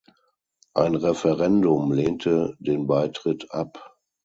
Ein Referendum lehnte den Beitritt ab.